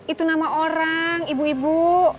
itu nama orang ibu ibu